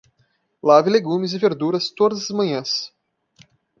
Lave legumes e verduras todas as manhãs